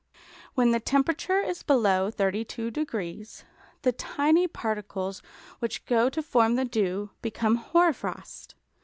When the temperature is below 32°, the tiny particles which go to form the dew become hoar frost.